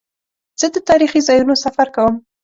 زه د تاریخي ځایونو سفر کوم.